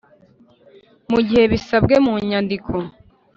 mu gihe bisabwe mu nyandiko